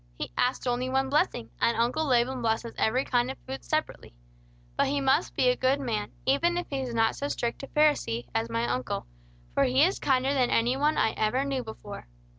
"He asked only one blessing, and Uncle Laban blesses every kind of food separately. But he must be a good man, even if he is not so strict a Pharisee as my uncle, for he is kinder than any one I ever knew before."